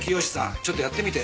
ちょっとやってみて。